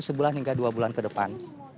sebulan hingga dua bulan ke depan